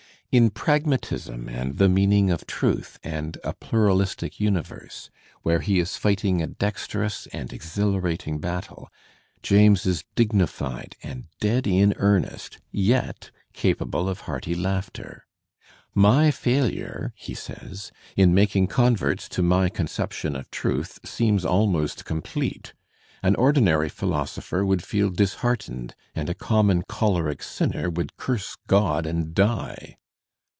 In "Pragmatism" and "The Meaning of Truth" and "A Pluralistic Universe," where he is fighting a dexterous and exhilarating battle, James is dignified and dead in earnest, yet capable of hearty laugh ter. "My failure," he says, "in making converts to my y^ conception of truth seems ... almost complete. An ordinary philosopher would feel disheartened, and a common choleric sinner would curse Grod and die!"